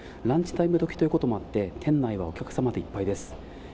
ランチタイム時ということもあって店内はお客様でいっぱいです。